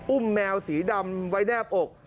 แมวสีดำไว้แนบอก